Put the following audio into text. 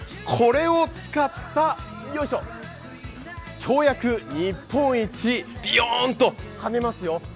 これを使った跳躍日本一びよーんと跳ねますよ